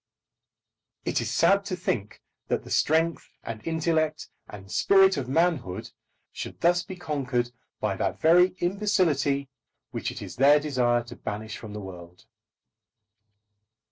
It is sad to think that the strength and intellect and spirit of manhood should thus be conquered by that very imbecility which it is their desire to banish from the world.